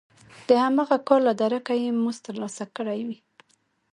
د هماغه کار له درکه یې مزد ترلاسه کړی وي